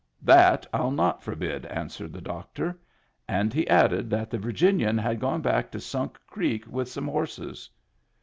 " That I'll not forbid," answered the doctor. And he added that the Virginian had gone back to Sunk Creek with some horses.